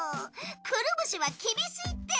くるぶしは厳しいって。